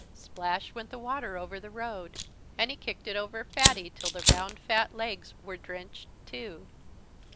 Splash went the water over the road. And he kicked it over Fatty till the round fat legs were drenched too.